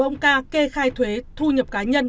ông ca kê khai thuế thu nhập cá nhân